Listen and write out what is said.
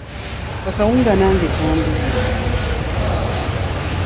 Akawunga nage kambuze.